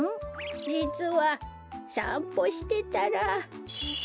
じつはさんぽしてたら。